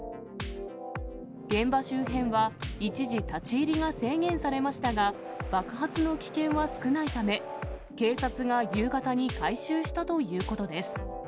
現場周辺は一時立ち入りが制限されましたが、爆発の危険は少ないため、警察が夕方に回収したということです。